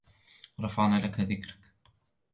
ورفعنا لك ذكرك